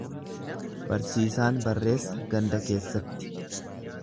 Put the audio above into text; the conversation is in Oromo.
Barsiisaan barreessa ganda keessatti.